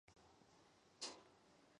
辖境相当今甘肃省岷县。